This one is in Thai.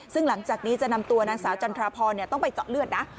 ซึ่งหลังจากนี้จะนำตัวนางสาวจันทราพรต้องไปเจาะเลือดนะ